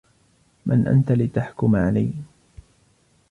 مَن أنت لتحكم علي؟